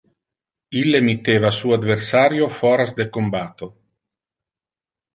Ille mitteva su adversario foras de combatto.